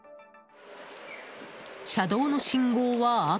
車道の信号は赤。